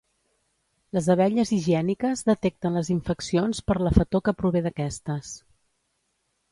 Les abelles higièniques detecten les infeccions per la fetor que prové d'aquestes.